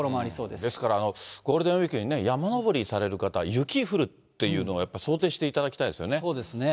ですからゴールデンウィークにね、山登りされる方、雪降るっていうのは、やっぱり想定していただきたいですよね。